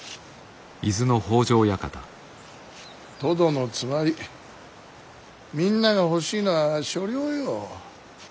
とどのつまりみんなが欲しいのは所領よ。